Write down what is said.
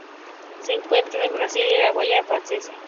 Se encuentra en Brasil y en la Guayana francesa.